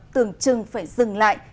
tưởng chừng phải dừng lại